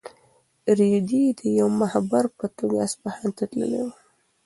رېدی د یو مخبر په توګه اصفهان ته تللی و.